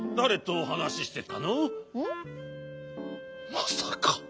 まさか。